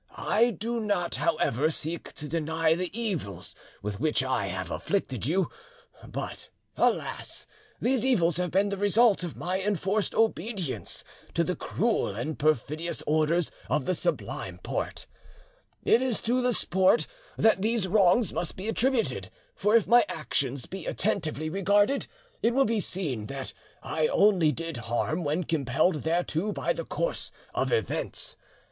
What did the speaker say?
I do not, however, seek to deny the evils with which I have afflicted you; but, alas! these evils have been the result of my enforced obedience to the cruel and perfidious orders of the Sublime Porte. It is to the Porte that these wrongs must be attributed, for if my actions be attentively regarded it will be seen that I only did harm when compelled thereto by the course of events.